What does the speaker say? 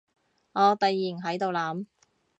我突然喺度諗